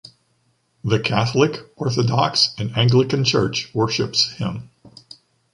The Catholic, Orthodox and Anglican church worships him.